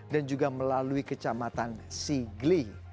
dan juga melalui kecamatan sigli